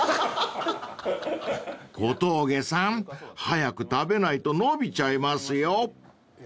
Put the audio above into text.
［小峠さん早く食べないと伸びちゃいますよ］